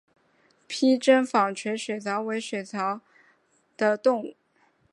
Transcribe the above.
披针纺锤水蚤为纺锤水蚤科纺锤水蚤属的动物。